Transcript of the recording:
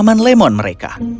paman lemon mereka